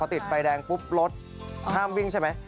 ติดไฟแดงปุ๊บรถห้ามวิ่งใช่ไหม